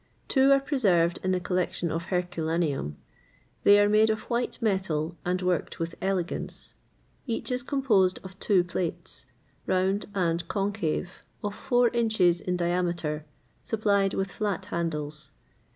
Two are preserved in the collection of Herculaneum; they are made of white metal, and worked with elegance. Each is composed of two plates, round and concave, of four inches in diameter, supplied with flat handles.